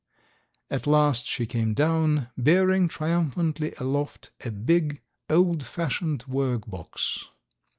At last she came down bearing triumphantly aloft a big old fashioned work box.